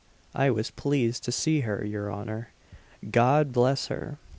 I was pleased to see her, your honour God bless her!